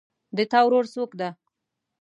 د تا ورور څوک ده